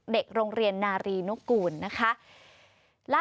เด็กโรงเรียนนารีนุกูลนะคะ